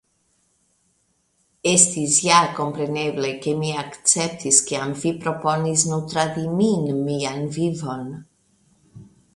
Estis ja kompreneble, ke mi akceptis kiam vi proponis nutradi min mian vivon.